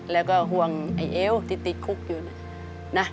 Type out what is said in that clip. แล้วก็ห่วงไอ้เอวที่ติดคุกอยู่นะ